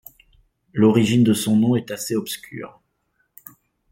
L'origine de son nom est assez obscure.